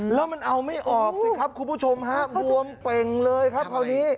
แล้วมันเอาไม่ออกสิครับคุณผู้ชมฮะบวมเป่งเลยครับคราวนี้